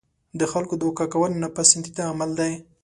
د خلکو دوکه کول ناپسندیده عمل دی.